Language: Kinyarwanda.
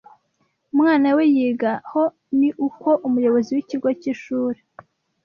umwana we yiga ho ni uko Umuyobozi wikigo cy’ishuri